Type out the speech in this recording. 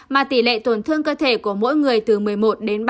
mà tỷ lệ tổn thương cơ thể của mỗi người từ một mươi một đến ba mươi